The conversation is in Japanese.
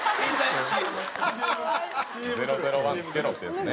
「００１付けろ」ってやつね。